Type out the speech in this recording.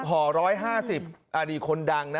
ถ้า๑๐ห่อ๑๕๐บาทอันนี้คนดังนะ